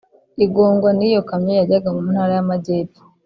igongwa n’iyo kamyo yajyaga mu Ntara y’Amajyepfo